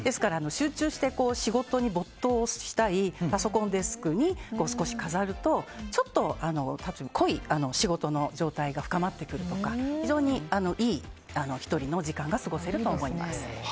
集中して仕事に没頭したいパソコンデスクに少し飾るとちょっと仕事の状態が深まってくるとか非常にいい１人の時間が過ごせると思います。